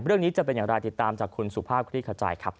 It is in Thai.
เรื่องนี้จะเป็นอย่างไรติดตามจากคุณสุภาพคลิกระจายครับ